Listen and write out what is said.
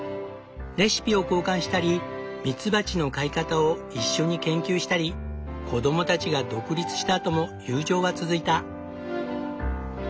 レシピを交換したりミツバチの飼い方を一緒に研究したり子供たちが独立したあとも友情は続いた。